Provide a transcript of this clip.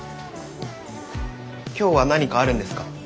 今日は何かあるんですか？